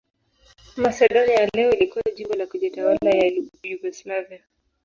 Masedonia ya leo ilikuwa jimbo la kujitawala la Yugoslavia.